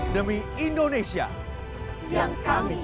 demi indonesia yang kami cintai